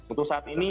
untuk saat ini